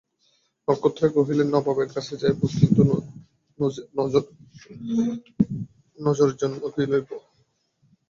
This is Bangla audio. নক্ষত্ররায় কহিলেন, নবাবের কাছে যাইব, কিন্তু নজরের জন্য কী লইব।